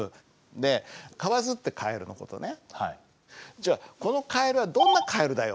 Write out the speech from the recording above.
じゃあこのカエルはどんなカエルだよ。